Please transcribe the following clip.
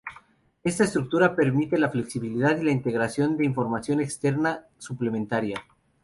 Esta estructura permite la flexibilidad y la integración de información externa suplementaria.